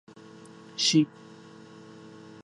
شې.